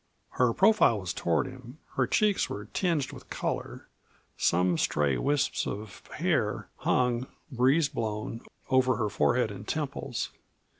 Her profile was toward him; her cheeks were tinged with color; some stray wisps of hair hung, breeze blown, over her forehead and temples.